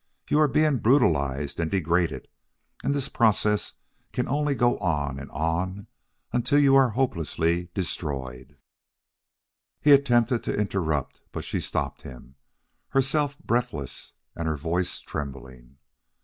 You are being brutalized and degraded. And this process can only go on and on until you are hopelessly destroyed " He attempted to interrupt, but she stopped him, herself breathless and her voice trembling.